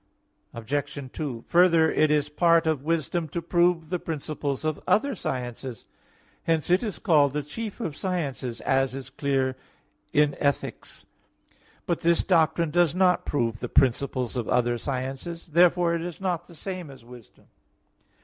Obj. 2: Further, it is a part of wisdom to prove the principles of other sciences. Hence it is called the chief of sciences, as is clear in Ethic. vi. But this doctrine does not prove the principles of other sciences. Therefore it is not the same as wisdom.